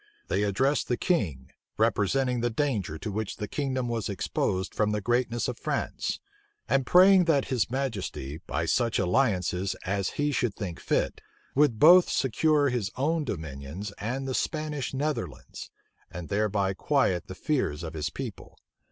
They addressed the king, representing the danger to which the kingdom was exposed from the greatness of France; and praying that his majesty, by such alliances as he should think fit, would both secure his own dominions and the Spanish Netherlands, and thereby quiet the fears of his people.